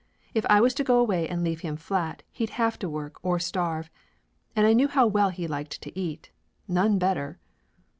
If I was to go away and leave him flat he'd have to work or starve, and I knew how well he liked to eat none better!